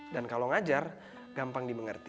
dan kalau ngajar gampang dimengerti